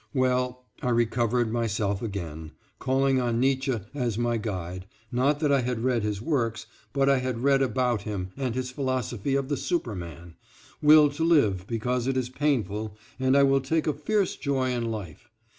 Well, I recovered myself again, calling on Nietzsche as my guide, not that I had read his works, but I had read about him and his philosophy of the Superman will to live because it is painful, and I will take a fierce joy in life.